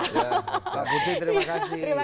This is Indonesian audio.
pak budi terima kasih